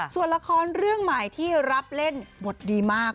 ส่วนละครเรื่องใหม่ที่รับเล่นบทดีมาก